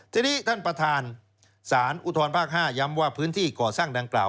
ทีนี้ท่านประธานศาลอุทธรภาค๕ย้ำว่าพื้นที่ก่อสร้างดังกล่าว